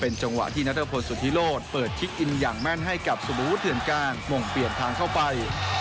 และอีกทางหรือมงเปลี่ยนทางเข้าไป